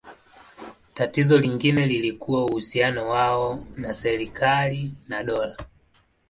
Tatizo lingine lilikuwa uhusiano wao na serikali na dola.